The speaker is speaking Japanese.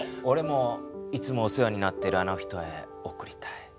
おれもいつもお世話になってるあの人へおくりたい。